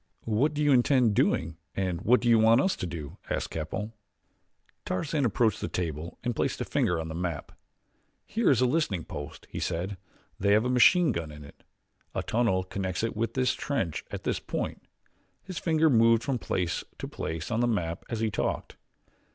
"What do you intend doing and what do you want us to do?" asked Capell. Tarzan approached the table and placed a finger on the map. "Here is a listening post," he said; "they have a machine gun in it. A tunnel connects it with this trench at this point." His finger moved from place to place on the map as he talked.